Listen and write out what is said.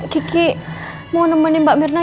kiki mau nemenin mbak mirna